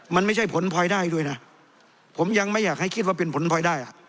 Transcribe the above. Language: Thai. มันไม่ใช่ผลพลอยได้ด้วยนะผมยังไม่อยากให้คิดว่าเป็นผลพลอยได้